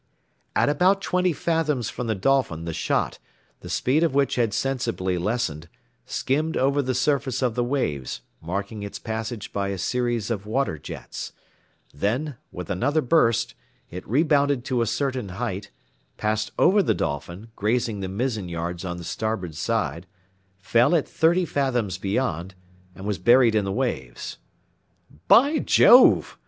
At about twenty fathoms from the Dolphin the shot, the speed of which had sensibly lessened, skimmed over the surface of the waves, marking its passage by a series of water jets; then, with another burst, it rebounded to a certain height, passed over the Dolphin, grazing the mizzen yards on the starboard side, fell at thirty fathoms beyond, and was buried in the waves. "By Jove!"